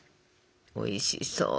おいしそう。